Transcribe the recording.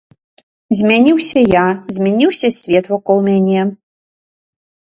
Змяніўся я, змяніўся свет вакол мяне.